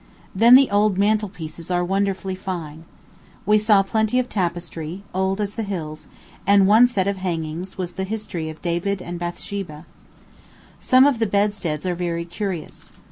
Then the old mantel pieces are wonderfully fine. We saw plenty of tapestry, old as the hills; and one set of hangings was the history of David and Bathsheba. Some of the bedsteads are very curious.